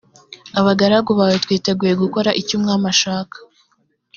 abagaragu bawe twiteguye gukora icyo umwami ashaka